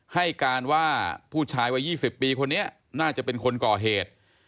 ให้การว่าผู้ชายวัย๒๐ปีคนนี้น่าจะเป็นคนก่อเหตุ